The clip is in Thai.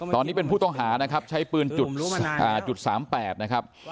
ตอนนี้เป็นผู้ต้องหานะครับใช้ปืนจุด๓๘นะครับ